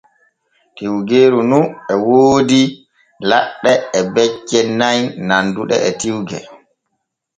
Tiwgeeru nu e woodi laɗɗe e becce nay nanduɗe e tiwge.